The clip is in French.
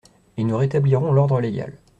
Et nous rétablirons l’ordre légal.